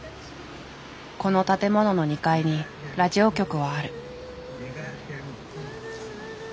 この建物の２階にラジオ局はある。